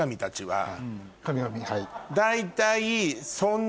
大体。